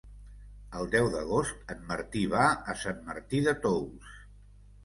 El deu d'agost en Martí va a Sant Martí de Tous.